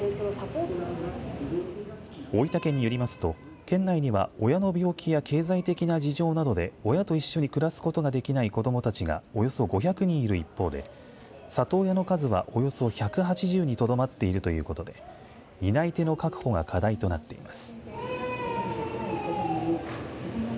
大分県によりますと県内には親の病気や経済的な事情などで親と一緒に暮らすことができない子どもたちがおよそ５００人いる一方で里親の数は、およそ１８０にとどまっているということで担い手の確保が課題となっています。